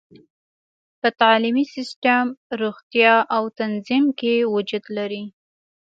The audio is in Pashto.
په تعلیمي سیستم، روغتیا او تنظیم کې وجود لري.